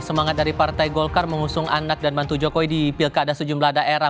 semangat dari partai golkar mengusung anak dan bantu jokowi di pilkada sejumlah daerah